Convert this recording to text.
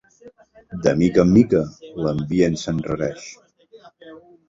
De mica en mica, l'ambient s'enrareix.